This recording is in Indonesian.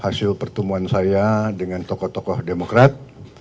hasil pertemuan saya dengan tokoh tokoh demokrat